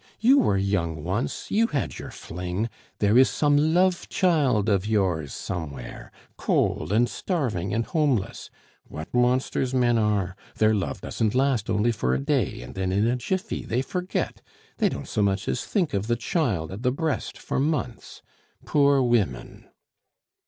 You were young once, you had your fling, there is some love child of yours somewhere cold, and starving, and homeless.... What monsters men are! Their love doesn't last only for a day, and then in a jiffy they forget, they don't so much as think of the child at the breast for months.... Poor women!"